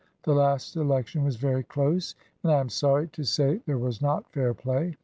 The last election was very close, and I am sorry to say there was not fair play.